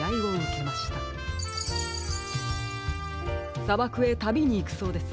さばくへたびにいくそうです。